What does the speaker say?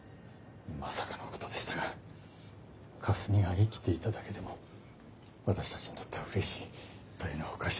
まさかのことでしたがかすみが生きていただけでも私たちにとってはうれしいというのはおかしいですが。